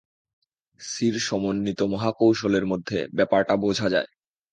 সির সমন্বিত মহাকৌশলের মধ্যে ব্যাপারটা বোঝা যায়।